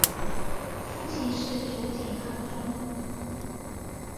父亲是酒井康忠。